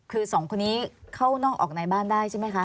คือสองคนนี้เข้านอกออกในบ้านได้ใช่ไหมคะ